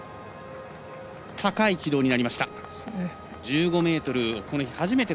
高い軌道になりました。